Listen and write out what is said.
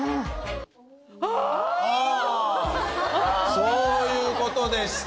そういうことでした。